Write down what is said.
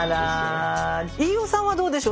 飯尾さんはどうでしょう。